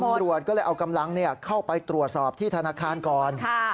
ตำรวจก็เลยเอากำลังเข้าไปตรวจสอบที่ธนาคารก่อน